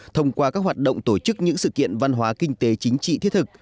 thông qua các hoạt động tổ chức những sự kiện văn hóa kinh tế chính trị thiết thực